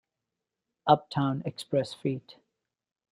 Uptown Express Feat.